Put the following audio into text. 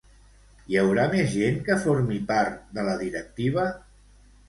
Hi haurà més gent que formi part de la directiva?